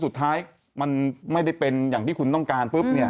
สุดท้ายมันไม่ได้เป็นอย่างที่คุณต้องการปุ๊บเนี่ย